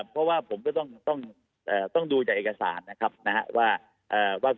เพราะว่าผมก็ต้องดูจากเอกสารนะครับว่า